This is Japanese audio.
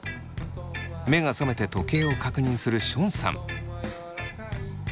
目が覚めて時計を確認するションさん。